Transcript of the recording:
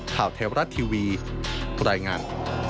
ข่าวเทวรัฐทีวีรายงาน